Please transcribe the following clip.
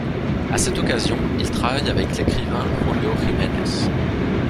À cette occasion il travaille avec l'écrivain Julio Jimenes.